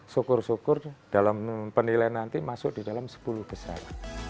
syukur syukur dalam penilaian nanti masuk di dalam sepuluh besar